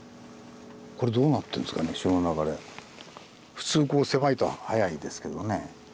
普通こう狭いと速いですけどね。